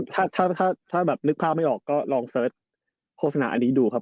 ถ้าถ้าแบบนึกภาพไม่ออกก็ลองเสิร์ชโฆษณาอันนี้ดูครับ